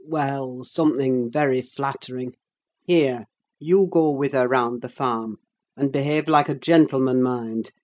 Well, something very flattering. Here! you go with her round the farm. And behave like a gentleman, mind!